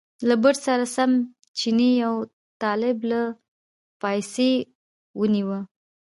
له بړچ سره سم چیني یو طالب له پایڅې ونیوه.